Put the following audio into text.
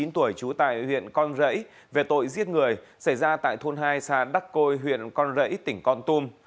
hai mươi chín tuổi trú tại huyện con rẫy về tội giết người xảy ra tại thôn hai xa đắc côi huyện con rẫy tỉnh con tum